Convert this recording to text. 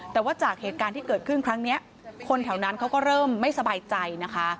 แต่ว่าจากเหตุการณ์ที่เกิดขึ้นครั้งนี้คนแถวนั้นเขาก็เริ่มไม่สบายใจนะคะ